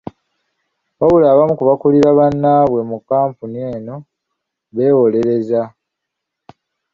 Wabula abamu ku bakulira bannaabwe mu kkampuni eno beewolerezza.